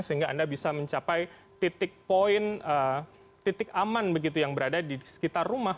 sehingga anda bisa mencapai titik aman yang berada di sekitar rumah